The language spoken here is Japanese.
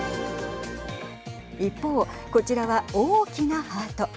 一方こちらは大きなハート。